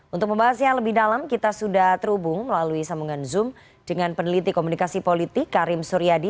untuk membahasnya lebih dalam kita sudah terhubung melalui sambungan zoom dengan peneliti komunikasi politik karim suryadi